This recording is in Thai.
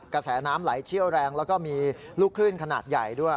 กระแสน้ำไหลเชี่ยวแรงแล้วก็มีลูกคลื่นขนาดใหญ่ด้วย